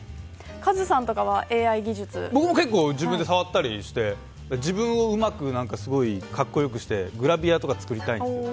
結構、自分で触ったりして自分をうまくかっこよくしたりしてグラビアとか作りたいです。